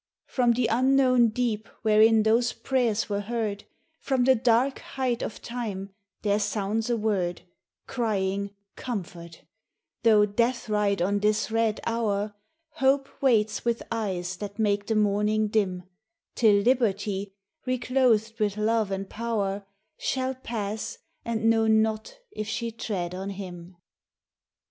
From the unknown deep wherein those prayers were heard, From the dark height of time there sounds a word, Crying, Comfort; though death ride on this red hour, Hope waits with eyes that make the morning dim, Till liberty, reclothed with love and power, Shall pass and know not if she tread on him.